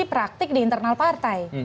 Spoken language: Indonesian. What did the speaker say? praktik di internal partai